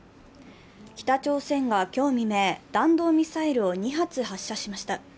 北朝鮮が今日未明、弾道ミサイルを２発、発射しました。